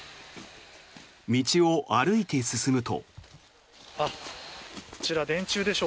道を歩いて進むと。